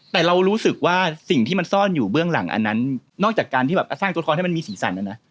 แต่เรารู้สึกว่าสิ่งที่มันซ่อนอยู่เบื้องหลังอันนั้นนอกจากการที่แบบสร้างตัวละครให้มันมีสีสันนะนะ